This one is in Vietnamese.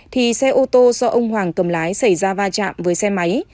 thì xe ô tô do ông hoàng cầm lái xảy ra va chạm với xe máy